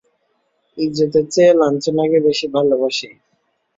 ইজ্জতের চেয়ে লাঞ্ছনাকে বেশী ভালবাসি।